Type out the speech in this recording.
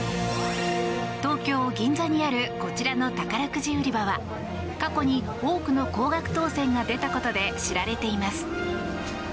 東京・銀座にあるこちらの宝くじ売り場は過去に多くの高額当選が出たことで知られています。